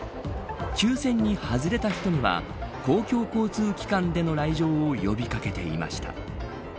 抽選に外れた人には公共交通機関での来場を呼び掛けていました。